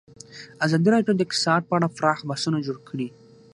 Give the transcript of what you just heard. ازادي راډیو د اقتصاد په اړه پراخ بحثونه جوړ کړي.